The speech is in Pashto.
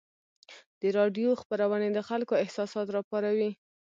د راډیو خپرونې د خلکو احساسات راپاروي.